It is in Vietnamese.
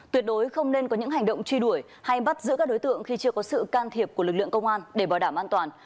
tuyệt đối không nên có những hành động truy đuổi hay bắt giữ các đối tượng khi chưa có sự can thiệp của lực lượng công an để bảo đảm an toàn